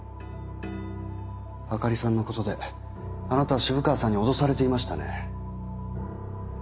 灯里さんのことであなたは渋川さんに脅されていましたね？